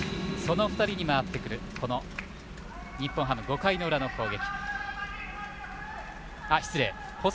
細川に回ってくる日本ハム５回裏の攻撃。